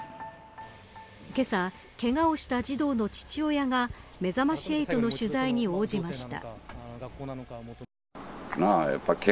けさ、けがをした児童の父親がめざまし８の取材に応じました。